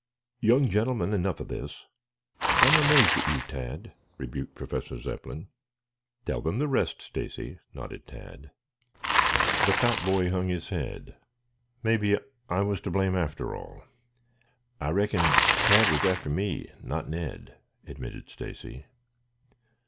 "Young gentlemen, enough of this. I am amazed at you, Tad," rebuked Professor Zepplin. "Tell them the rest, Stacy," nodded Tad. The fat boy hung his head. "Maybe I was to blame, after all. I reckon Tad was after me, not Ned," admitted Stacy.